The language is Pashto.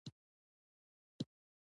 زه راغلم.